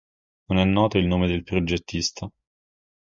Non è noto il nome del progettista.